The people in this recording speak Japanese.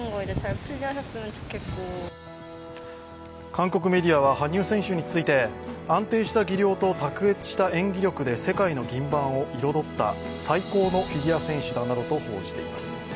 韓国メディアは、羽生選手について安定した技量と卓越した演技力で世界の銀盤を彩った最高のフィギュア選手だなどと報じています。